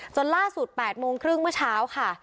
ล่าสุด๘โมงครึ่งเมื่อเช้าค่ะ